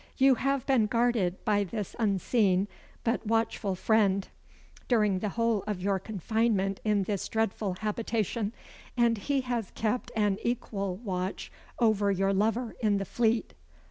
You have been guarded by this unseen but watchful friend, during the whole of your confinement in this dreadful habitation; and he has kept an equal watch over your lover in the Fleet."